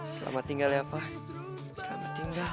selamat tinggal ya pak selamat tinggal